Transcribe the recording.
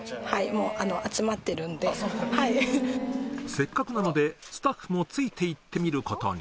せっかくなのでスタッフもついて行ってみることに